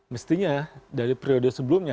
mestinya dari periode sebelumnya